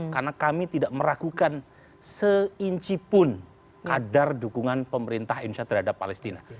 karena kami tidak meragukan seinci pun kadar dukungan pemerintah indonesia terhadap palestina